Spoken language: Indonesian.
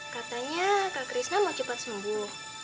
katanya kak krisna mau cepat sembuh